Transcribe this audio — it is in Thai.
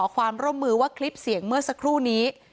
ความร่วมมือว่าคลิปเสียงเมื่อสักครู่นี้